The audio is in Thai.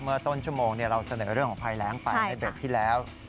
เมื่อต้นชั่วโมงเราเสนอเรื่องของภัยแรงไปในเบรกที่แล้ว